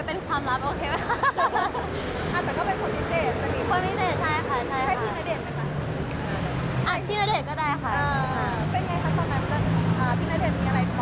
เป็นไงค่ะตอนนั้นพี่ณเดชน์มีอะไรของพี่เตศ